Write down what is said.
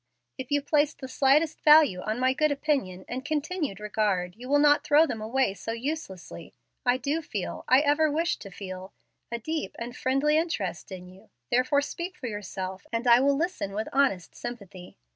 If you place the slightest value on my good opinion and continued regard, you will not throw them away so uselessly. I do feel I ever wish to feel a deep and friendly interest in you, therefore speak for yourself, and I will listen with honest sympathy.